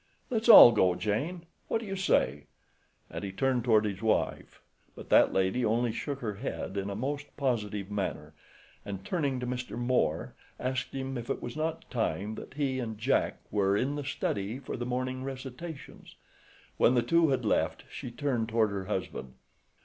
Let's all go, Jane—what do you say?" And he turned toward his wife, but that lady only shook her head in a most positive manner, and turning to Mr. Moore asked him if it was not time that he and Jack were in the study for the morning recitations. When the two had left she turned toward her husband.